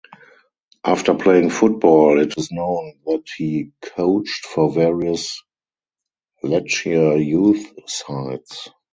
After playing football it is known that he coached for various Lechia youth sides.